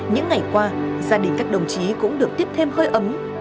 những ngày qua gia đình các đồng chí cũng được tiếp thêm hơi ấm